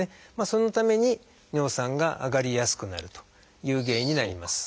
そのために尿酸が上がりやすくなるという原因になります。